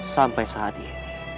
sampai saat ini